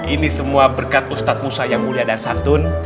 ini semua berkat ustadz musa yang mulia dan santun